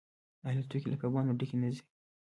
آیا الوتکې له کبانو ډکې نه ځي؟